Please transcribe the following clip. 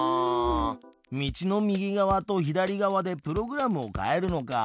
道の右側と左側でプログラムを変えるのか。